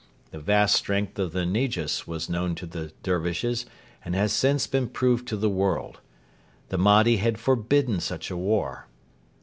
The vast strength of the Negus was known to the Dervishes, and has since been proved to the world. The Mahdi had forbidden such a war.